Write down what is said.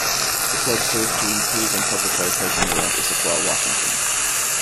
The club serves to improve and publicize hiking around Issaquah, Washington.